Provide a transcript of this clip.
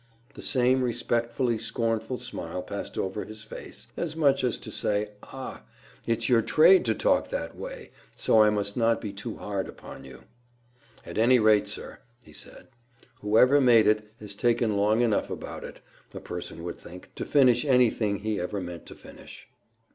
The same respectfully scornful smile passed over his face, as much as to say, "Ah! it's your trade to talk that way, so I must not be too hard upon you." "At any rate, sir," he said, "whoever made it has taken long enough about it, a person would think, to finish anything he ever meant to finish."